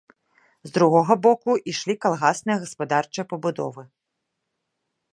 З другога боку ішлі калгасныя гаспадарчыя пабудовы.